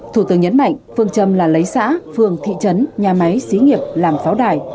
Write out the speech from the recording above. thủ tướng nhấn mạnh phương trầm là lấy xã phương thị trấn nhà máy sĩ nghiệp làm pháo đài